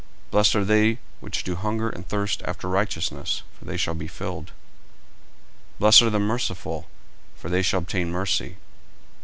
40:005:006 Blessed are they which do hunger and thirst after righteousness: for they shall be filled. 40:005:007 Blessed are the merciful: for they shall obtain mercy.